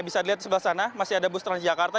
bisa dilihat di sebelah sana masih ada bustrans jakarta